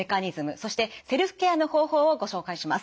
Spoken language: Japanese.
そしてセルフケアの方法をご紹介します。